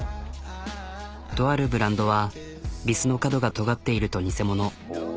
とあるブランドはビスの角がとがっていると偽物。